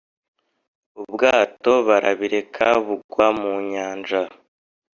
ubwato barabireka bugwa mu nyanja